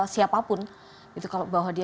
siapapun gitu kalau bahwa dia